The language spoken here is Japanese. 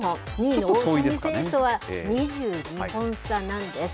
２位の大谷選手とは２２本差なんです。